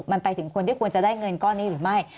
มันไปถึงคนที่ควรจะได้เงินก้อนนี้หรือไม่